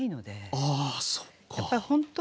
あそっか。